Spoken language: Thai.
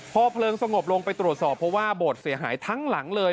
พอเพลิงสงบลงไปตรวจสอบเพราะว่าโบสถเสียหายทั้งหลังเลย